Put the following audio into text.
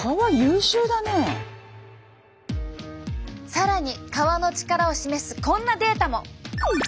更に革の力を示すこんなデータも！